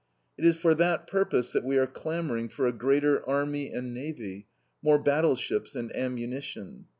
It is for that purpose that we are clamoring for a greater army and navy, more battleships and ammunition.